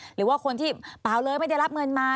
หรือว่าคนที่เปล่าเลยไม่ได้รับเงินมา